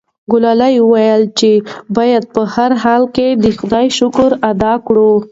ګلالۍ وویل چې باید په هر حال کې د خدای شکر ادا کړو.